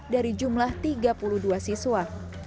dari jumlah tiga puluh dua siswa